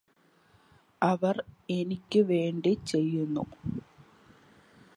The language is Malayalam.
അവര് എനിക്ക് വേണ്ടി ചെയ്യുന്നു